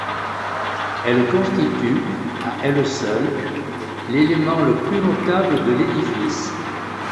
Elles constituent, à elles seules, l'élément le plus notable de l'édifice.